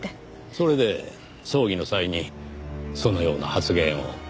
それで葬儀の際にそのような発言を。